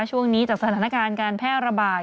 ช่วงนี้จากสถานการณ์การแพร่ระบาด